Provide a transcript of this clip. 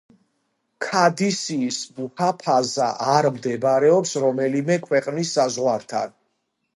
ქადისიის მუჰაფაზა არ მდებარეობს რომელიმე ქვეყნის საზღვართან.